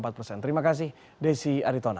terima kasih desi aritona